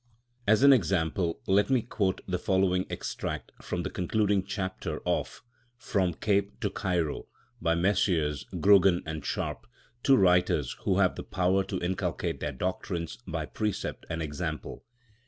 As an example, let me quote the following extract from the concluding chapter of From the Cape to Cairo, by Messrs. Grogan and Sharp, two writers who have the power to inculcate their doctrines by precept and example.